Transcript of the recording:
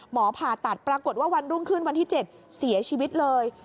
ผ่าตัดปรากฏว่าวันรุ่งขึ้นวันที่๗เสียชีวิตเลย